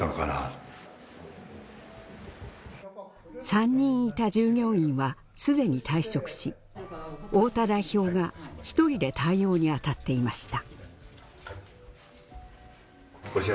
３人いた従業員はすでに退職し太田代表が１人で対応にあたっていました。